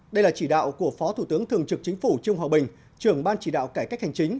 đây là chỉ đạo của phó thủ tướng thường trực chính phủ trương hòa bình trưởng ban chỉ đạo cải cách hành chính